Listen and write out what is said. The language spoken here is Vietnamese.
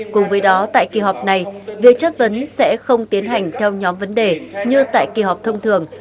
cùng với đó tại kỳ họp này việc chất vấn sẽ không tiến hành theo nhóm vấn đề như tại kỳ họp thông thường